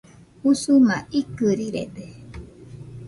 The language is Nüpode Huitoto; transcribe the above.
Usuma ikɨrirede